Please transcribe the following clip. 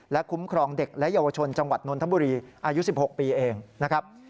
คุ้มครองเด็กและเยาวชนจังหวัดนนทบุรีอายุ๑๖ปีเองนะครับ